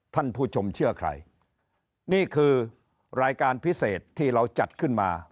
ท่านผู้ชมเชื่อใครนี่คือรายการพิเศษที่เราจัดขึ้นมา